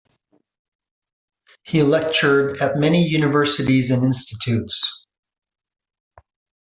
He lectured at many universities and institutes.